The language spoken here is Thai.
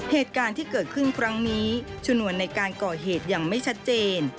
เหตุการณ์ที่เกิดขึ้นครั้งนี้ชนวนในการก่อเหตุอย่างไม่ชัดเจน